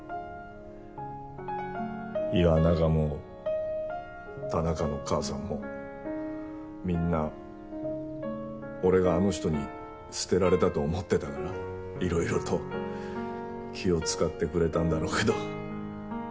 岩永も田中のお母さんもみんな俺があの人に捨てられたと思ってたからいろいろと気を使ってくれたんだろうけど。